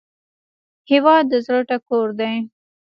هیواد د زړه ټکور دی